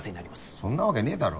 そんなわけねぇだろ。